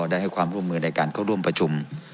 ได้ให้ความร่วมมือในการเข้าร่วมประชุม